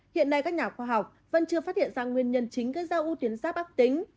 hiện nay các nhà khoa học vẫn chưa phát hiện ra nguyên nhân chính gây ra u tuyến giáp ác tính